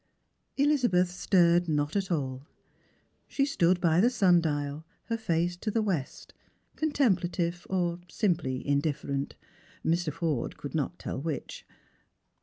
Elizabeth stirred not at all. She stood by the sun dial, her face to the west, contemplative, or simply indiff'erent, Mr. Forde could not tell which.